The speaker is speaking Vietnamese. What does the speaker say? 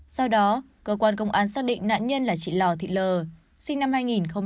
sau đó cơ quan công an xác định nạn nhân là chị lò thị lờ sinh năm hai nghìn ba